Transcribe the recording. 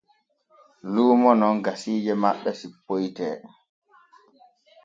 Luumo non gasiije maɓɓe sippoyte.